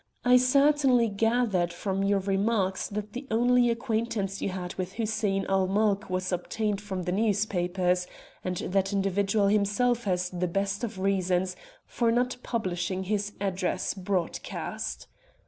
I certainly gathered from your remarks that the only acquaintance you had with Hussein ul Mulk was obtained from the newspapers, and that individual himself has the best of reasons for not publishing his address broadcast."